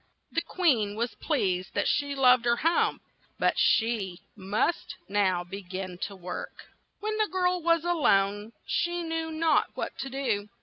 The queen was pleased that she loved her home, but said she must now be gin to work. When the girl was a lone, she knew not what to do.